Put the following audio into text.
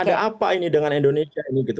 ada apa ini dengan indonesia ini gitu